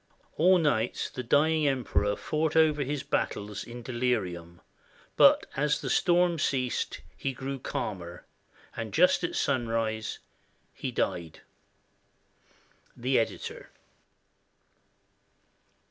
All night the dying Emperor fought over his battles in delirium, but as the storm ceased he grew calmer, and just at sunrise he died. The Editor.